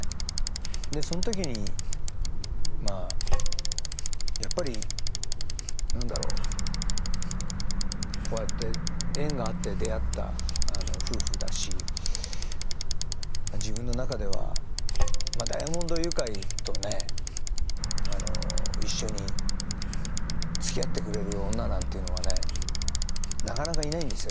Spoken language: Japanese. でその時にまあやっぱり何だろうこうやって縁があって出会った夫婦だし自分の中ではダイアモンドユカイとね一緒につきあってくれる女なんていうのはねなかなかいないんですよ